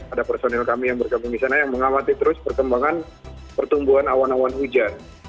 ada personil kami yang bergabung di sana yang mengamati terus perkembangan pertumbuhan awan awan hujan